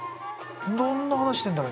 どんな話してんだろう今。